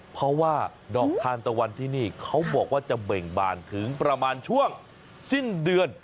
เพราะว่าดอกทานตะวันที่นี่เขาบอกว่าจะเบ่งบานถึงประมาณช่วงสิ้นเดือน